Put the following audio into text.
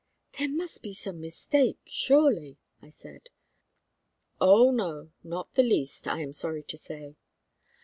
"There must be some mistake, surely!" I said. "Oh, no! not the least, I am sorry to say."